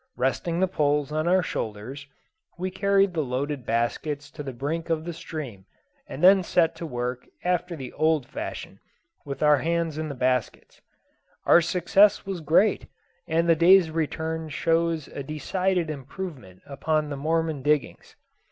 Resting the poles on our shoulders, we carried the loaded baskets to the brink of the stream, and then set to work after the old fashion, with our hands in the baskets. Our success was great, and the day's return shows a decided improvement upon the Mormon diggings.